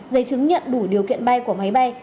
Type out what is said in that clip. giấy chứng nhận đủ điều kiện bay của máy bay